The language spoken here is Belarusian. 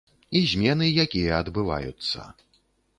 І змены, якія адбываюцца.